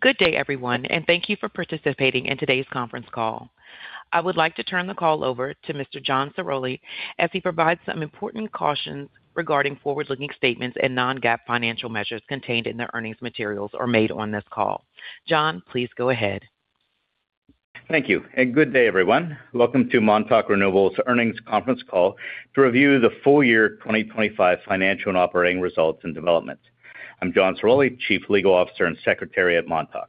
Good day, everyone, and thank you for participating in today's conference call. I would like to turn the call over to Mr. John Ciroli as he provides some important cautions regarding forward-looking statements and non-GAAP financial measures contained in the earnings materials or made on this call. John, please go ahead. Thank you, and good day, everyone. Welcome to Montauk Renewables earnings conference call to review the full year 2025 financial and operating results and developments. I'm John Ciroli, Chief Legal Officer and Secretary at Montauk.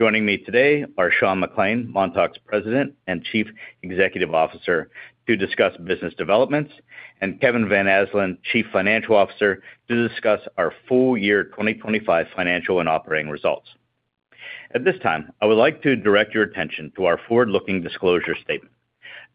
Joining me today are Sean McClain, Montauk's President and Chief Executive Officer, to discuss business developments, and Kevin Van Asdalan, Chief Financial Officer, to discuss our full year 2025 financial and operating results. At this time, I would like to direct your attention to our forward-looking disclosure statement.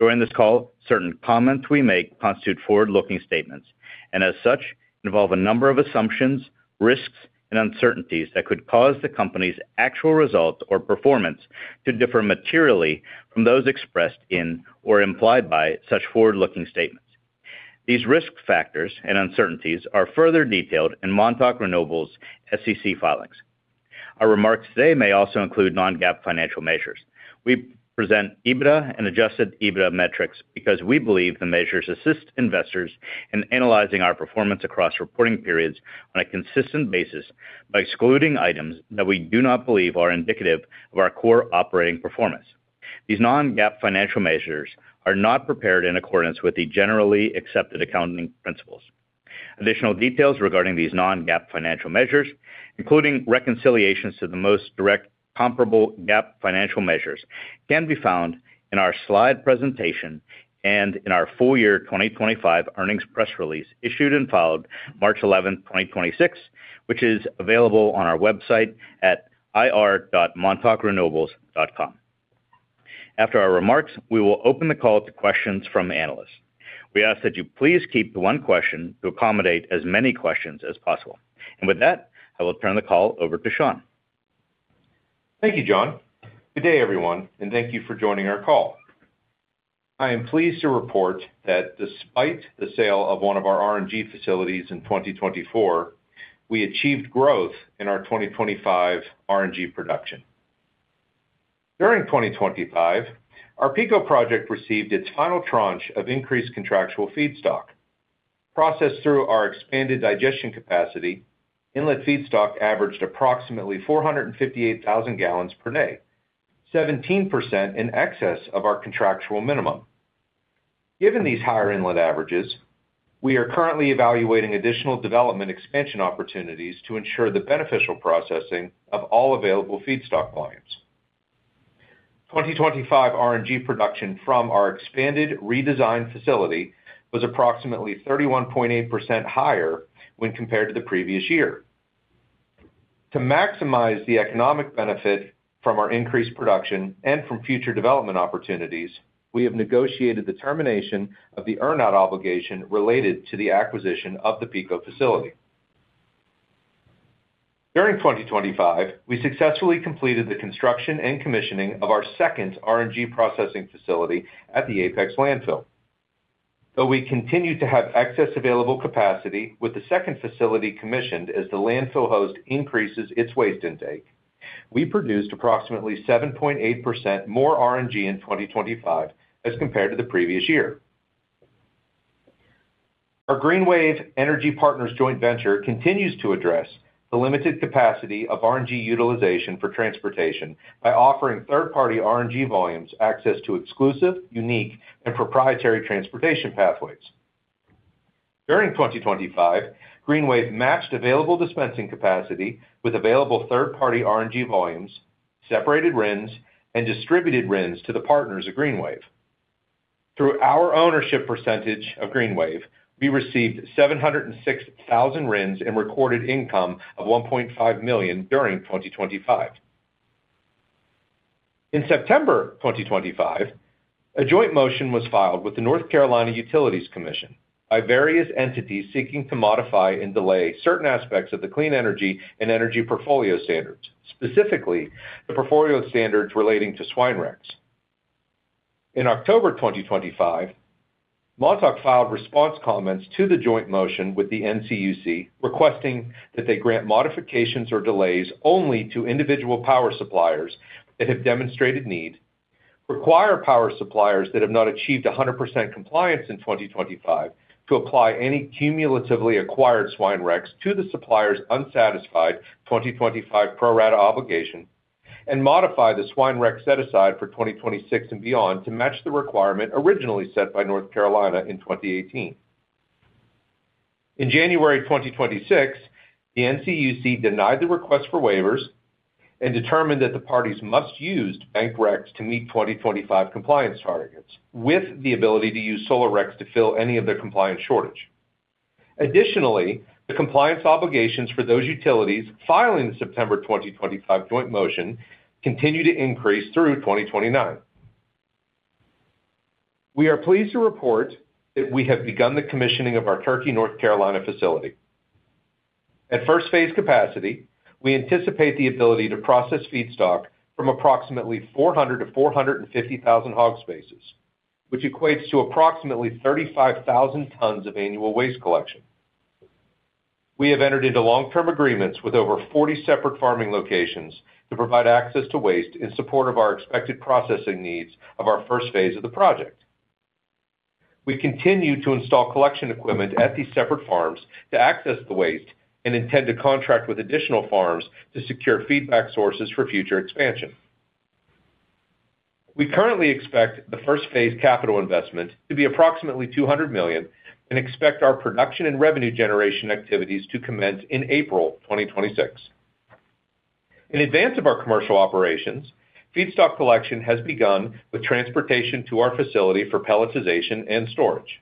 During this call, certain comments we make constitute forward-looking statements, and as such, involve a number of assumptions, risks, and uncertainties that could cause the company's actual results or performance to differ materially from those expressed in or implied by such forward-looking statements. These risk factors and uncertainties are further detailed in Montauk Renewables' SEC filings. Our remarks today may also include non-GAAP financial measures. We present EBITDA and adjusted EBITDA metrics because we believe the measures assist investors in analyzing our performance across reporting periods on a consistent basis by excluding items that we do not believe are indicative of our core operating performance. These non-GAAP financial measures are not prepared in accordance with the generally accepted accounting principles. Additional details regarding these non-GAAP financial measures, including reconciliations to the most direct comparable GAAP financial measures, can be found in our slide presentation and in our full year 2025 earnings press release issued and filed March 11, 2026, which is available on our website at ir.montaukrenewables.com. After our remarks, we will open the call to questions from analysts. We ask that you please keep to one question to accommodate as many questions as possible. With that, I will turn the call over to Sean. Thank you, John. Good day, everyone, and thank you for joining our call. I am pleased to report that despite the sale of one of our RNG facilities in 2024, we achieved growth in our 2025 RNG production. During 2025, our Pico project received its final tranche of increased contractual feedstock. Processed through our expanded digestion capacity, inlet feedstock averaged approximately 458,000 gallons per day, 17% in excess of our contractual minimum. Given these higher inlet averages, we are currently evaluating additional development expansion opportunities to ensure the beneficial processing of all available feedstock volumes. 2025 RNG production from our expanded redesigned facility was approximately 31.8% higher when compared to the previous year. To maximize the economic benefit from our increased production and from future development opportunities, we have negotiated the termination of the earn-out obligation related to the acquisition of the Pico facility. During 2025, we successfully completed the construction and commissioning of our second RNG processing facility at the Apex landfill. Though we continue to have excess available capacity with the second facility commissioned as the landfill host increases its waste intake, we produced approximately 7.8% more RNG in 2025 as compared to the previous year. Our GreenWave Energy Partners joint venture continues to address the limited capacity of RNG utilization for transportation by offering third-party RNG volumes access to exclusive, unique, and proprietary transportation pathways. During 2025, GreenWave matched available dispensing capacity with available third-party RNG volumes, separated RINs, and distributed RINs to the partners of GreenWave. Through our ownership percentage of GreenWave, we received 706,000 RINs and recorded income of $1.5 million during 2025. In September 2025, a joint motion was filed with the North Carolina Utilities Commission by various entities seeking to modify and delay certain aspects of the clean energy and energy portfolio standards, specifically the portfolio standards relating to swine RECs. In October 2025, Montauk filed response comments to the joint motion with the NCUC, requesting that they grant modifications or delays only to individual power suppliers that have demonstrated need, require power suppliers that have not achieved 100% compliance in 2025 to apply any cumulatively acquired swine RECs to the supplier's unsatisfied 2025 pro rata obligation, and modify the swine REC set aside for 2026 and beyond to match the requirement originally set by North Carolina in 2018. In January 2026, the NCUC denied the request for waivers and determined that the parties must use bank RECs to meet 2025 compliance targets with the ability to use solar RECs to fill any of their compliance shortage. Additionally, the compliance obligations for those utilities filing the September 2025 joint motion continue to increase through 2029. We are pleased to report that we have begun the commissioning of our Turkey, North Carolina facility. At first phase capacity, we anticipate the ability to process feedstock from approximately 400-450,000 hog spaces, which equates to approximately 35,000 tons of annual waste collection. We have entered into long-term agreements with over 40 separate farming locations to provide access to waste in support of our expected processing needs of our first phase of the project. We continue to install collection equipment at these separate farms to access the waste and intend to contract with additional farms to secure feedstock sources for future expansion. We currently expect the first phase capital investment to be approximately $200 million and expect our production and revenue generation activities to commence in April 2026. In advance of our commercial operations, feedstock collection has begun with transportation to our facility for pelletization and storage.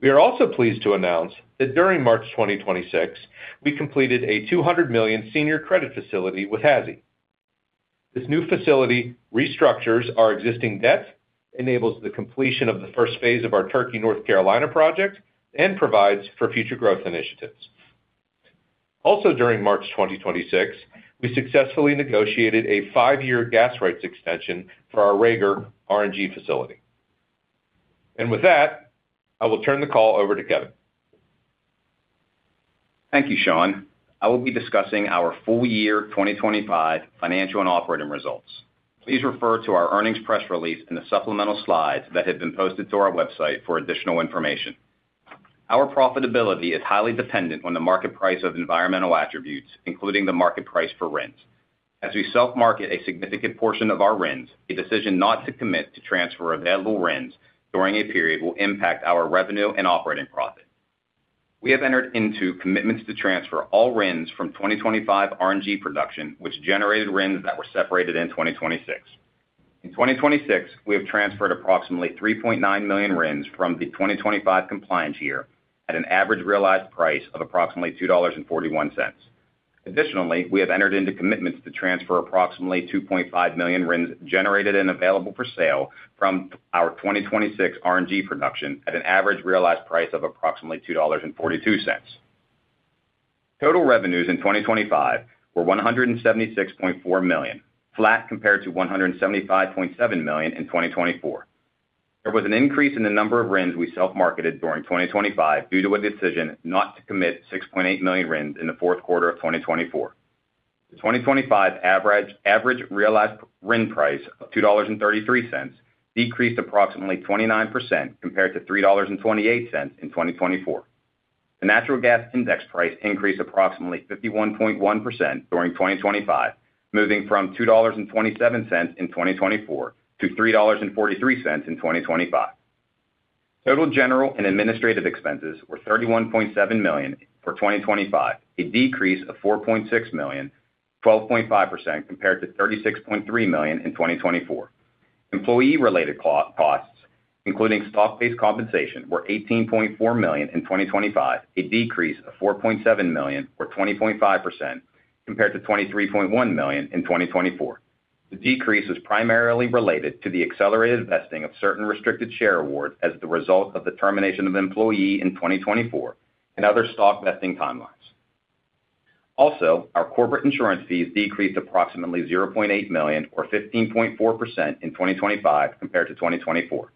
We are also pleased to announce that during March 2026, we completed a $200 million senior credit facility with HASI. This new facility restructures our existing debt, enables the completion of the first phase of our Turkey, North Carolina project, and provides for future growth initiatives. Also, during March 2026, we successfully negotiated a five-year gas rights extension for our Raeger RNG facility. With that, I will turn the call over to Kevin. Thank you, Sean. I will be discussing our full year 2025 financial and operating results. Please refer to our earnings press release and the supplemental slides that have been posted to our website for additional information. Our profitability is highly dependent on the market price of environmental attributes, including the market price for RINs. As we self-market a significant portion of our RINs, a decision not to commit to transfer available RINs during a period will impact our revenue and operating profit. We have entered into commitments to transfer all RINs from 2025 RNG production, which generated RINs that were separated in 2026. In 2026, we have transferred approximately 3.9 million RINs from the 2025 compliance year at an average realized price of approximately $2.41. Additionally, we have entered into commitments to transfer approximately 2.5 million RINs generated and available for sale from our 2026 RNG production at an average realized price of approximately $2.42. Total revenues in 2025 were $176.4 million, flat compared to $175.7 million in 2024. There was an increase in the number of RINs we self-marketed during 2025 due to a decision not to commit 6.8 million RINs in the fourth quarter of 2024. The 2025 average realized RIN price of $2.33 decreased approximately 29% compared to $3.28 in 2024. The natural gas index price increased approximately 51.1% during 2025, moving from $2.27 in 2024 to $3.43 in 2025. Total general and administrative expenses were $31.7 million for 2025, a decrease of $4.6 million, 12.5% compared to $36.3 million in 2024. Employee-related costs, including stock-based compensation, were $18.4 million in 2025, a decrease of $4.7 million or 20.5% compared to $23.1 million in 2024. The decrease is primarily related to the accelerated vesting of certain restricted share awards as a result of the termination of employees in 2024 and other stock vesting timelines. Also, our corporate insurance fees decreased approximately $0.8 million or 15.4% in 2025 compared to 2024.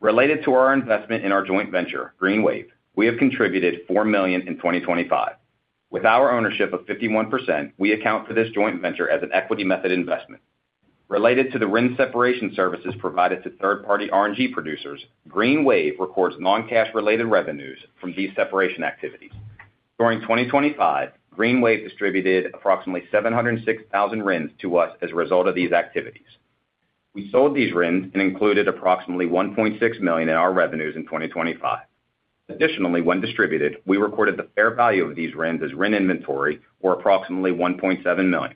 Related to our investment in our joint venture, GreenWave, we have contributed $4 million in 2025. With our ownership of 51%, we account for this joint venture as an equity method investment. Related to the RIN separation services provided to third-party RNG producers, GreenWave records non-cash related revenues from these separation activities. During 2025, GreenWave distributed approximately 706,000 RINs to us as a result of these activities. We sold these RINs and included approximately $1.6 million in our revenues in 2025. Additionally, when distributed, we recorded the fair value of these RINs as RIN inventory were approximately $1.7 million.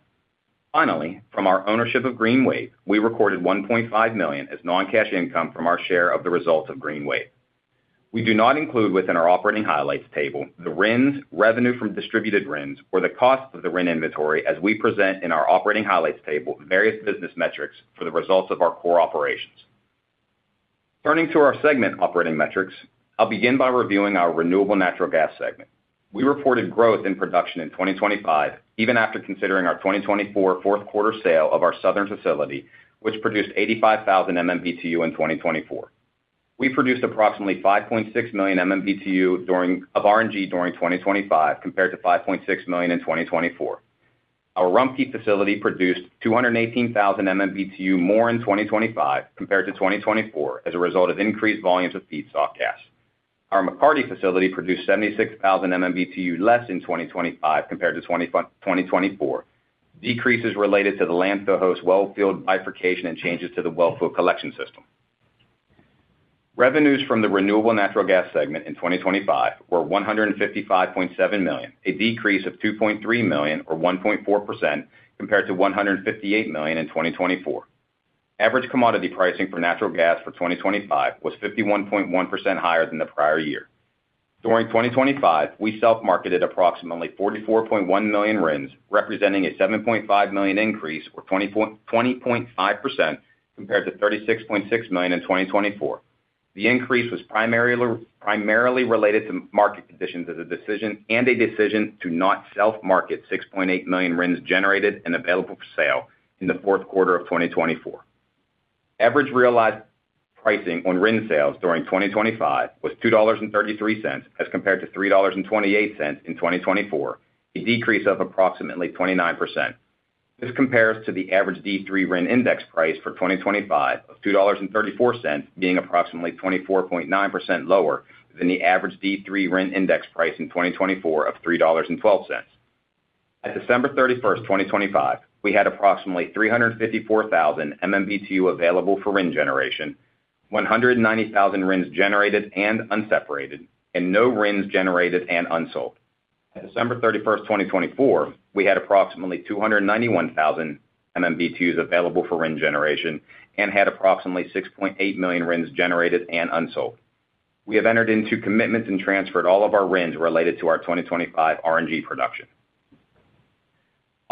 Finally, from our ownership of GreenWave, we recorded $1.5 million as non-cash income from our share of the results of GreenWave. We do not include within our operating highlights table the RINs, revenue from distributed RINs or the cost of the RIN inventory as we present in our operating highlights table various business metrics for the results of our core operations. Turning to our segment operating metrics, I'll begin by reviewing our renewable natural gas segment. We reported growth in production in 2025 even after considering our 2024 fourth quarter sale of our Southern facility, which produced 85,000 MMBtu in 2024. We produced approximately 5.6 million MMBtu of RNG during 2025 compared to 5.6 million in 2024. Our Rumpke facility produced 218,000 MMBtu more in 2025 compared to 2024 as a result of increased volumes of feedstock gas. Our McCarty facility produced 76,000 MMBtu less in 2025 compared to 2024, decreases related to the landfill host well field bifurcation and changes to the well field collection system. Revenues from the renewable natural gas segment in 2025 were $155.7 million, a decrease of $2.3 million or 1.4% compared to $158 million in 2024. Average commodity pricing for natural gas for 2025 was 51.1% higher than the prior year. During 2025, we self-marketed approximately 44.1 million RINs, representing a 7.5 million increase or 20.5% compared to 36.6 million in 2024. The increase was primarily related to market conditions and a decision to not self-market 6.8 million RINs generated and available for sale in the fourth quarter of 2024. Average realized pricing on RIN sales during 2025 was $2.33 as compared to $3.28 in 2024, a decrease of approximately 29%. This compares to the average D3 RIN index price for 2025 of $2.34 being approximately 24.9% lower than the average D3 RIN index price in 2024 of $3.12. At December 31, 2025, we had approximately 354,000 MMBtu available for RIN generation, 190,000 RINs generated and unseparated, and no RINs generated and unsold. At December 31, 2024, we had approximately 291,000 MMBtu available for RIN generation and had approximately 6.8 million RINs generated and unsold. We have entered into commitments and transferred all of our RINs related to our 2025 RNG production.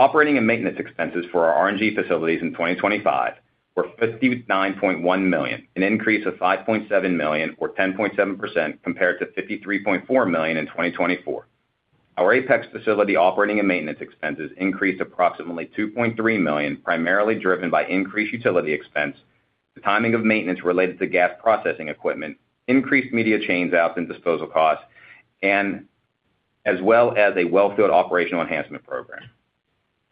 Operating and maintenance expenses for our RNG facilities in 2025 were $59.1 million, an increase of $5.7 million or 10.7% compared to $53.4 million in 2024. Our Apex facility operating and maintenance expenses increased approximately $2.3 million, primarily driven by increased utility expense, the timing of maintenance related to gas processing equipment, increased media change outs and disposal costs, and as well as a well field operational enhancement program.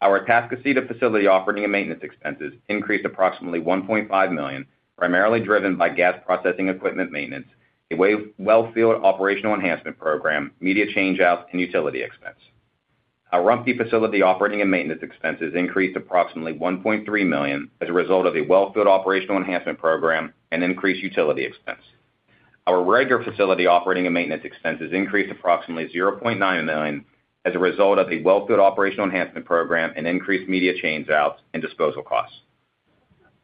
Our Atascocita facility operating and maintenance expenses increased approximately $1.5 million, primarily driven by gas processing equipment maintenance, a well field operational enhancement program, media change outs, and utility expense. Our Rumpke facility operating and maintenance expenses increased approximately $1.3 million as a result of a well field operational enhancement program and increased utility expense. Our Raeger facility operating and maintenance expenses increased approximately $0.9 million as a result of a well field operational enhancement program and increased media change outs and disposal costs.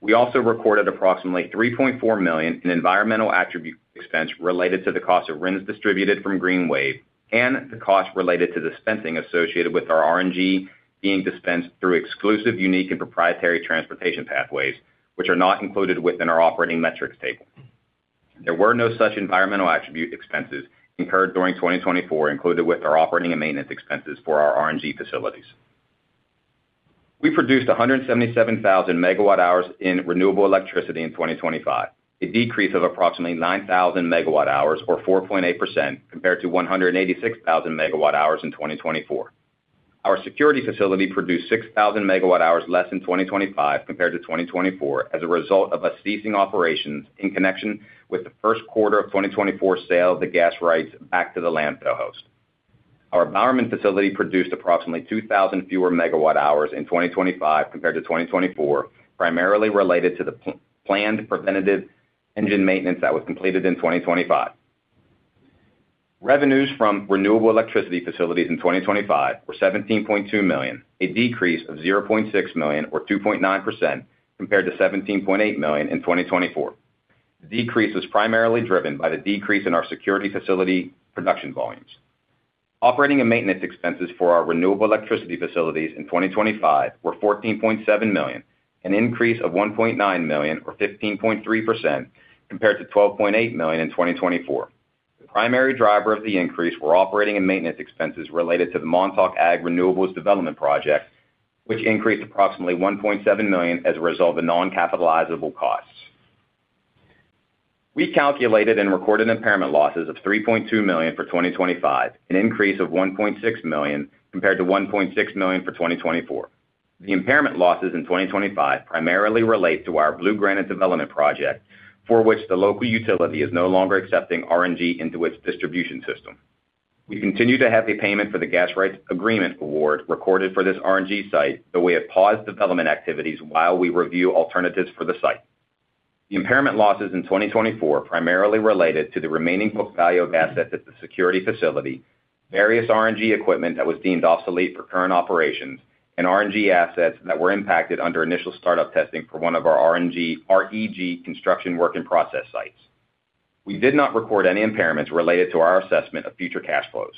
We also recorded approximately $3.4 million in environmental attribute expense related to the cost of RINs distributed from GreenWave and the cost related to dispensing associated with our RNG being dispensed through exclusive, unique, and proprietary transportation pathways, which are not included within our operating metrics table. There were no such environmental attribute expenses incurred during 2024 included with our operating and maintenance expenses for our RNG facilities. We produced 177,000 MWh in renewable electricity in 2025, a decrease of approximately 9,000 MWh or 4.8% compared to 186,000 MWh in 2024. Our Security facility produced 6,000 MWh less in 2025 compared to 2024 as a result of us ceasing operations in connection with the first quarter of 2024 sale of the gas rights back to the landfill host. Our Bowerman facility produced approximately 2,000 fewer MWh in 2025 compared to 2024, primarily related to the planned preventative engine maintenance that was completed in 2025. Revenues from renewable electricity facilities in 2025 were $17.2 million, a decrease of $0.6 million or 2.9% compared to $17.8 million in 2024. The decrease was primarily driven by the decrease in our Security facility production volumes. Operating and maintenance expenses for our renewable electricity facilities in 2025 were $14.7 million, an increase of $1.9 million or 15.3% compared to $12.8 million in 2024. The primary driver of the increase were operating and maintenance expenses related to the Montauk Ag Renewables development project, which increased approximately $1.7 million as a result of non-capitalizable costs. We calculated and recorded impairment losses of $3.2 million for 2025, an increase of $1.6 million compared to $1.6 million for 2024. The impairment losses in 2025 primarily relate to our Blue Granite development project, for which the local utility is no longer accepting RNG into its distribution system. We continue to have a payment for the gas rights agreement award recorded for this RNG site, but we have paused development activities while we review alternatives for the site. The impairment losses in 2024 primarily related to the remaining book value of assets at the Security facility, various RNG equipment that was deemed obsolete for current operations, and RNG assets that were impacted under initial startup testing for one of our RNG construction work in process sites. We did not record any impairments related to our assessment of future cash flows.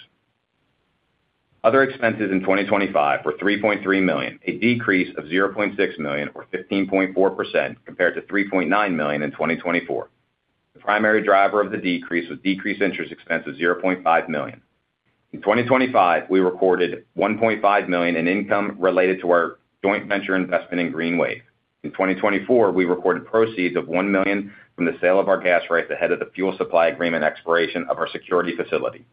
Other expenses in 2025 were $3.3 million, a decrease of $0.6 million or 15.4% compared to $3.9 million in 2024. The primary driver of the decrease was decreased interest expense of $0.5 million. In 2025, we recorded $1.5 million in income related to our joint venture investment in GreenWave. In 2024, we recorded proceeds of $1 million from the sale of our gas rights ahead of the fuel supply agreement expiration of our Security facility.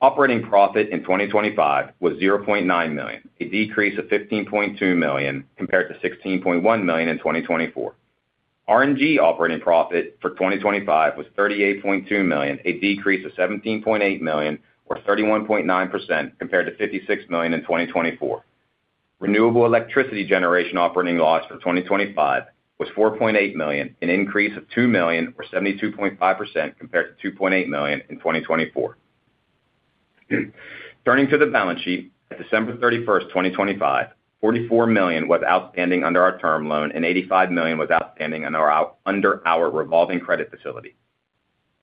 Operating profit in 2025 was $0.9 million, a decrease of $15.2 million compared to $16.1 million in 2024. RNG operating profit for 2025 was $38.2 million, a decrease of $17.8 million or 31.9% compared to $56 million in 2024. Renewable electricity generation operating loss for 2025 was $4.8 million, an increase of $2 million or 72.5% compared to $2.8 million in 2024. Turning to the balance sheet, at December 31, 2025, $44 million was outstanding under our term loan, and $85 million was outstanding under our revolving credit facility.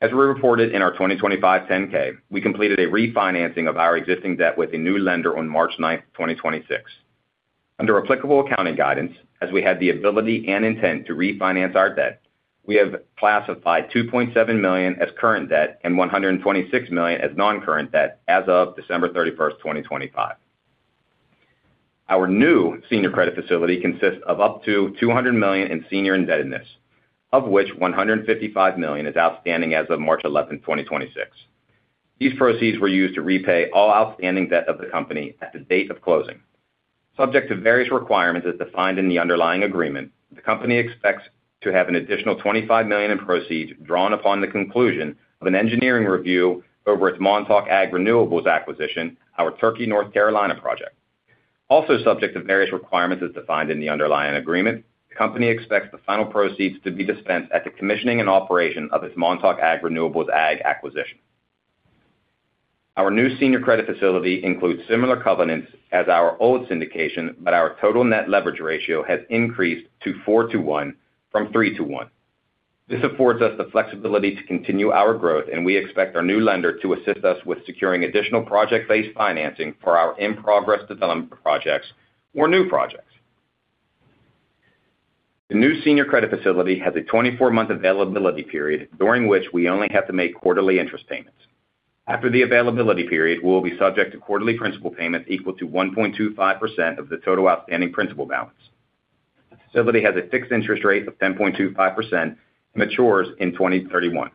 As we reported in our 2025 10-K, we completed a refinancing of our existing debt with a new lender on March 9, 2026. Under applicable accounting guidance, as we had the ability and intent to refinance our debt, we have classified $2.7 million as current debt and $126 million as non-current debt as of December 31, 2025. Our new senior credit facility consists of up to $200 million in senior indebtedness, of which $155 million is outstanding as of March 11, 2026. These proceeds were used to repay all outstanding debt of the company at the date of closing. Subject to various requirements as defined in the underlying agreement, the company expects to have an additional $25 million in proceeds drawn upon the conclusion of an engineering review over its Montauk Ag Renewables acquisition, our Turkey, North Carolina project. Also subject to various requirements as defined in the underlying agreement, the company expects the final proceeds to be dispensed at the commissioning and operation of its Montauk Ag Renewables acquisition. Our new senior credit facility includes similar covenants as our old syndication, but our total net leverage ratio has increased to 4-to-1 from 3-to-1. This affords us the flexibility to continue our growth, and we expect our new lender to assist us with securing additional project-based financing for our in-progress development projects or new projects. The new senior credit facility has a 24-month availability period, during which we only have to make quarterly interest payments. After the availability period, we will be subject to quarterly principal payments equal to 1.25% of the total outstanding principal balance. The facility has a fixed interest rate of 10.25% and matures in 2031.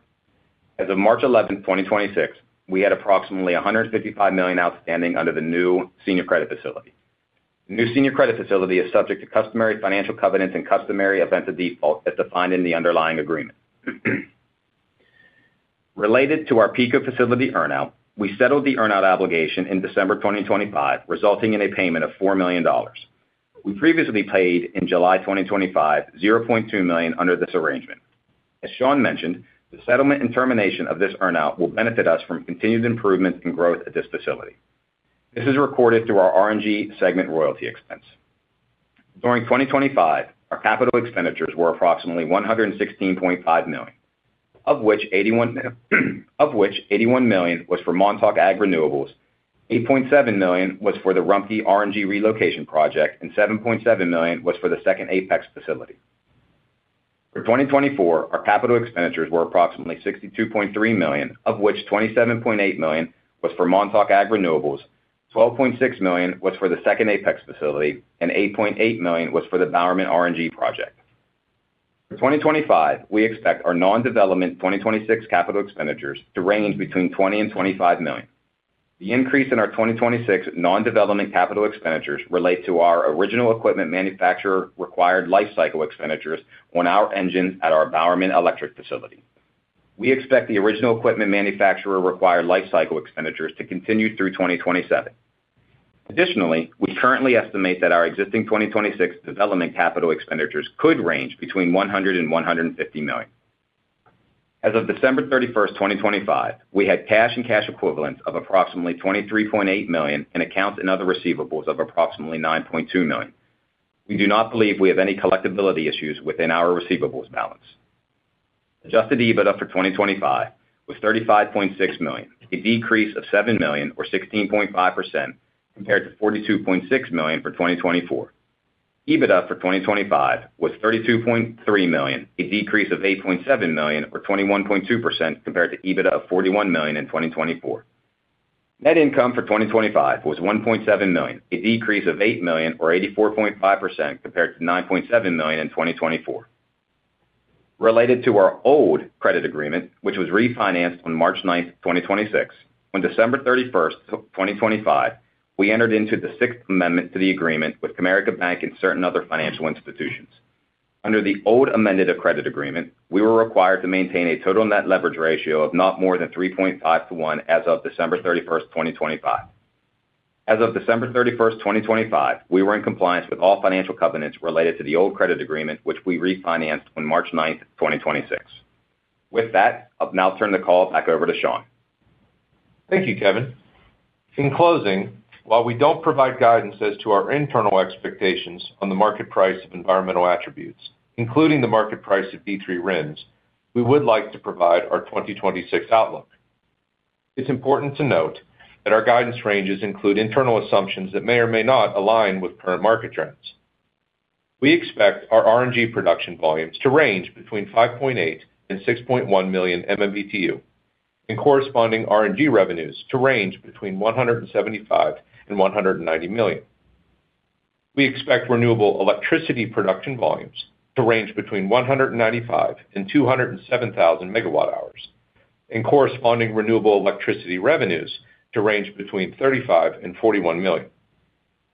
As of March 11, 2026, we had approximately $155 million outstanding under the new senior credit facility. The new senior credit facility is subject to customary financial covenants and customary event of default as defined in the underlying agreement. Related to our Pico facility earn out, we settled the earn out obligation in December 2025, resulting in a payment of $4 million. We previously paid in July 2025, $0.2 million under this arrangement. As Sean mentioned, the settlement and termination of this earn out will benefit us from continued improvement and growth at this facility. This is recorded through our RNG segment royalty expense. During 2025, our capital expenditures were approximately $116.5 million, of which $81 million was for Montauk Ag Renewables, $8.7 million was for the Rumpke RNG relocation project, and $7.7 million was for the second Apex facility. For 2024, our capital expenditures were approximately $62.3 million, of which $27.8 million was for Montauk Ag Renewables, $12.6 million was for the second Apex facility, and $8.8 million was for the Bowerman RNG project. For 2025, we expect our non-development 2026 capital expenditures to range between $20 million and $25 million. The increase in our 2026 non-development capital expenditures relate to our original equipment manufacturer required lifecycle expenditures on our engines at our Bowerman Electric facility. We expect the original equipment manufacturer required lifecycle expenditures to continue through 2027. Additionally, we currently estimate that our existing 2026 development capital expenditures could range between $100 million and $150 million. As of December 31, 2025, we had cash and cash equivalents of approximately $23.8 million in accounts and other receivables of approximately $9.2 million. We do not believe we have any collectibility issues within our receivables balance. Adjusted EBITDA for 2025 was $35.6 million, a decrease of $7 million or 16.5% compared to $42.6 million for 2024. EBITDA for 2025 was $32.3 million, a decrease of $8.7 million or 21.2% compared to EBITDA of $41 million in 2024. Net income for 2025 was $1.7 million, a decrease of $8 million or 84.5% compared to $9.7 million in 2024. Related to our old credit agreement, which was refinanced on March 9, 2026. On December 31, 2025, we entered into the sixth amendment to the agreement with Comerica Bank and certain other financial institutions. Under the old amended credit agreement, we were required to maintain a total net leverage ratio of not more than 3.5 to 1 as of December 31, 2025. As of December 31, 2025, we were in compliance with all financial covenants related to the old credit agreement, which we refinanced on March 9, 2026. With that, I'll now turn the call back over to Sean. Thank you, Kevin. In closing, while we don't provide guidance as to our internal expectations on the market price of environmental attributes, including the market price of D3 RINs, we would like to provide our 2026 outlook. It's important to note that our guidance ranges include internal assumptions that may or may not align with current market trends. We expect our RNG production volumes to range between 5.8 million and 6.1 million MMBtu, and corresponding RNG revenues to range between $175 million and $190 million. We expect renewable electricity production volumes to range between 195,000 MWh and 207,000 MWh, and corresponding renewable electricity revenues to range between $35 million and $41 million.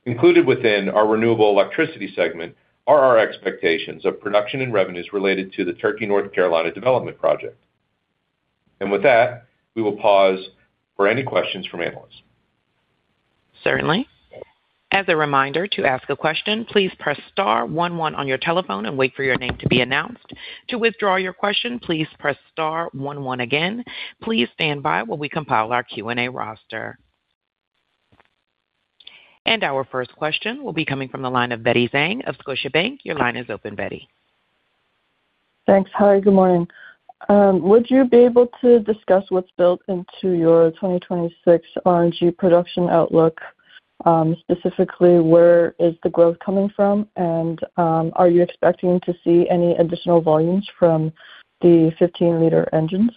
Included within our renewable electricity segment are our expectations of production and revenues related to the Turkey, North Carolina development project. With that, we will pause for any questions from analysts. Certainly. As a reminder to ask a question, please press star one one on your telephone and wait for your name to be announced. To withdraw your question, please press star one one again. Please stand by while we compile our Q&A roster. Our first question will be coming from the line of Betty Zhang of Scotiabank. Your line is open, Betty. Thanks. Hi, good morning. Would you be able to discuss what's built into your 2026 RNG production outlook? Specifically, where is the growth coming from? Are you expecting to see any additional volumes from the 15-liter engines?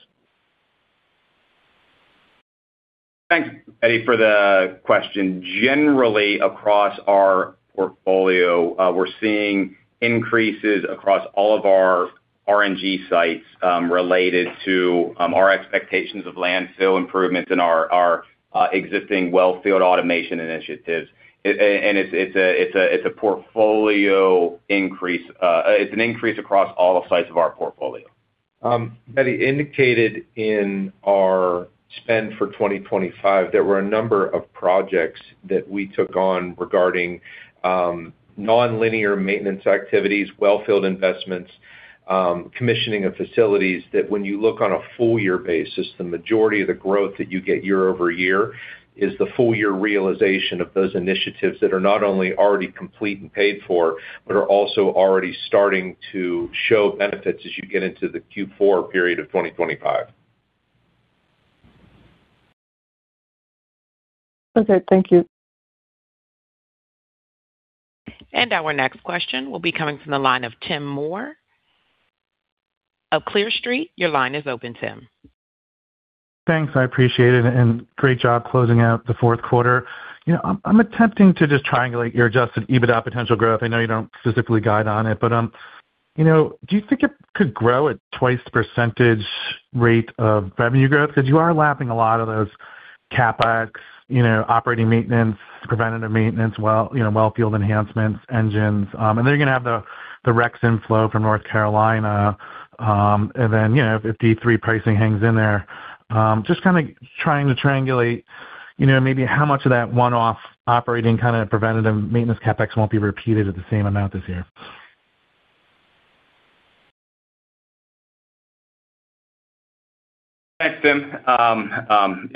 Thanks, Betty, for the question. Generally, across our portfolio, we're seeing increases across all of our RNG sites related to our expectations of landfill improvements in our existing well field automation initiatives. It's a portfolio increase. It's an increase across all the sites of our portfolio. Eddie indicated in our spend for 2025, there were a number of projects that we took on regarding nonlinear maintenance activities, well field investments, commissioning of facilities, that when you look on a full year basis, the majority of the growth that you get year-over-year is the full year realization of those initiatives that are not only already complete and paid for, but are also already starting to show benefits as you get into the Q4 period of 2025. Okay, thank you. Our next question will be coming from the line of Tim Moore of Clear Street. Your line is open, Tim. Thanks, I appreciate it, and great job closing out the fourth quarter. You know, I'm attempting to just triangulate your adjusted EBITDA potential growth. I know you don't specifically guide on it, but, you know, do you think it could grow at twice the percentage rate of revenue growth? 'Cause you are lapping a lot of those CapEx, you know, operating maintenance, preventative maintenance, well, you know, well field enhancements, engines. You're gonna have the RECs inflow from North Carolina, and then, you know, if D3 pricing hangs in there. Just kinda trying to triangulate, you know, maybe how much of that one-off operating, kinda preventative maintenance CapEx won't be repeated at the same amount this year. Thanks, Tim.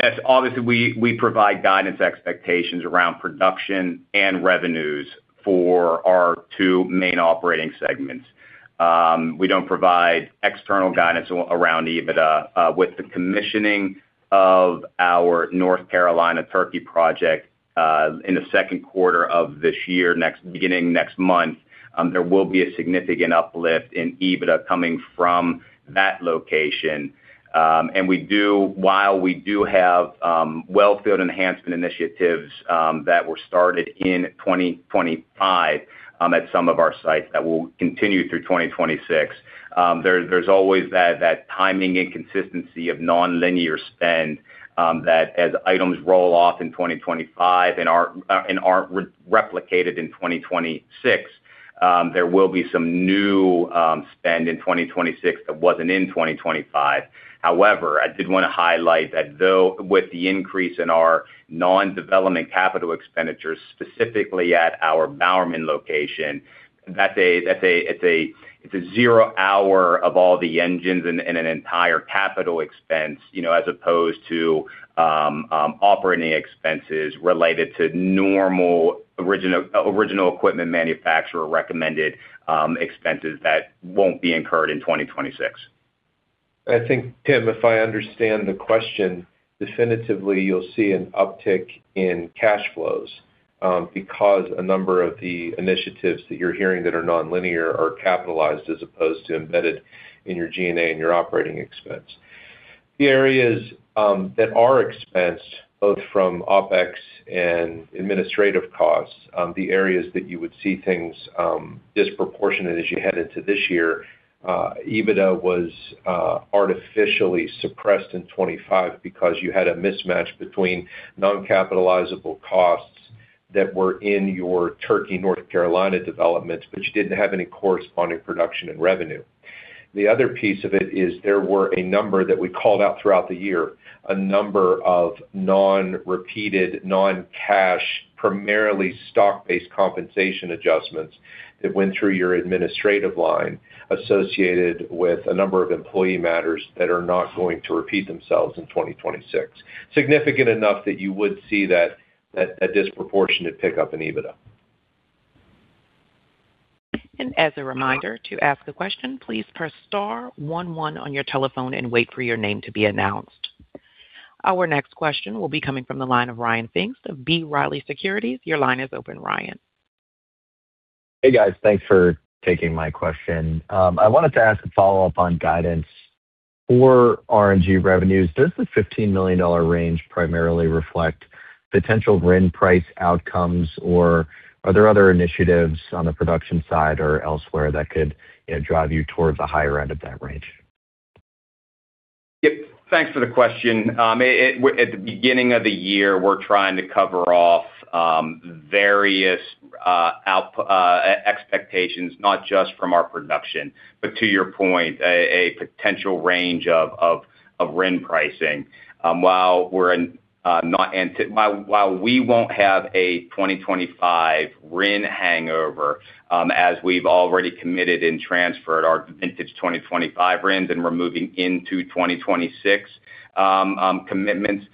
As obviously we provide guidance expectations around production and revenues for our two main operating segments. We don't provide external guidance around EBITDA. With the commissioning of our North Carolina Turkey project in the second quarter of this year, beginning next month, there will be a significant uplift in EBITDA coming from that location. While we do have well field enhancement initiatives that were started in 2025 at some of our sites that will continue through 2026, there's always that timing and consistency of nonlinear spend that as items roll off in 2025 and aren't replicated in 2026, there will be some new spend in 2026 that wasn't in 2025. However, I did wanna highlight that though, with the increase in our non-development capital expenditures, specifically at our Bowerman location, it's an overhaul of all the engines and an entire capital expense, you know, as opposed to operating expenses related to normal original equipment manufacturer recommended expenses that won't be incurred in 2026. I think, Tim, if I understand the question, definitively you'll see an uptick in cash flows, because a number of the initiatives that you're hearing that are nonlinear are capitalized as opposed to embedded in your G&A and your operating expense. The areas that are expensed, both from OpEx and administrative costs, the areas that you would see things disproportionate as you head into this year, EBITDA was artificially suppressed in 2025 because you had a mismatch between non-capitalizable costs that were in your Turkey, North Carolina developments, but you didn't have any corresponding production and revenue. The other piece of it is there were a number that we called out throughout the year, a number of non-repeated, non-cash, primarily stock-based compensation adjustments that went through your administrative line associated with a number of employee matters that are not going to repeat themselves in 2026. Significant enough that you would see that disproportionate pickup in EBITDA. As a reminder, to ask a question, please press star one one on your telephone and wait for your name to be announced. Our next question will be coming from the line of Ryan Pfingst of B. Riley Securities. Your line is open, Ryan. Hey, guys. Thanks for taking my question. I wanted to ask a follow-up on guidance. For RNG revenues, does the $15 million range primarily reflect potential RIN price outcomes, or are there other initiatives on the production side or elsewhere that could, you know, drive you towards the higher end of that range? Yep, thanks for the question. At the beginning of the year, we're trying to cover off various expectations, not just from our production, but to your point, a potential range of RIN pricing. While we won't have a 2025 RIN hangover, as we've already committed and transferred our vintage 2025 RINs and we're moving into 2026 commitments,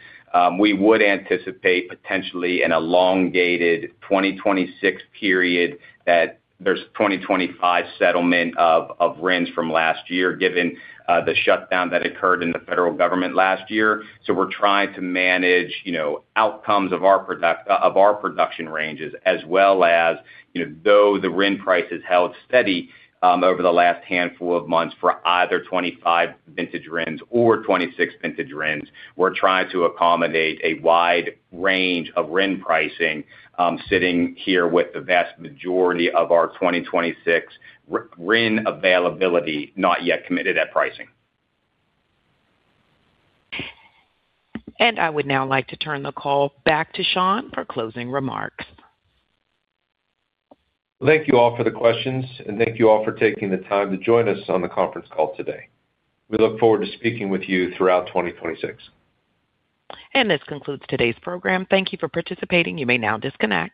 we would anticipate potentially an elongated 2026 period that there's 2025 settlement of RINs from last year given the shutdown that occurred in the federal government last year. We're trying to manage, you know, outcomes of our production ranges as well as, you know, though the RIN price has held steady over the last handful of months for either 2025 vintage RINs or 2026 vintage RINs, we're trying to accommodate a wide range of RIN pricing, sitting here with the vast majority of our 2026 RIN availability not yet committed at pricing. I would now like to turn the call back to Sean for closing remarks. Thank you all for the questions, and thank you all for taking the time to join us on the conference call today. We look forward to speaking with you throughout 2026. This concludes today's program. Thank you for participating. You may now disconnect.